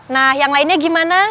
nah yang lainnya gimana